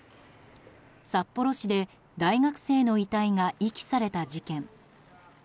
札幌市で大学生の遺体が遺棄された事件。